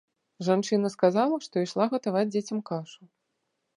Жанчына сказала, што ішла гатаваць дзецям кашу.